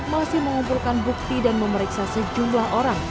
masih mengumpulkan bukti dan memeriksa sejumlah orang